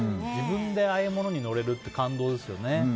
自分でああいうものに乗れるって感動ですよね。